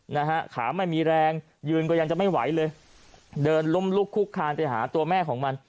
นะฮะขาไม่มีแรงยืนก็ยังจะไม่ไหวเลยเดินล้มลุกคุกคานไปหาตัวแม่ของมัน